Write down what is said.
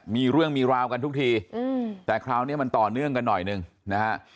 มีเรื่องมีราวกันทุกทีแต่คราวนี้มันต่อเนื่องกันหน่อยหนึ่งนะฮะ